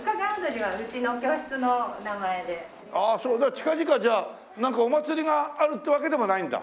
近々じゃあなんかお祭りがあるってわけでもないんだ？